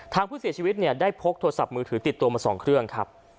ทางผู้เสียชีวิตเนี่ยได้พกโทรศัพท์มือถือติดตัวมา๒เครื่องครับ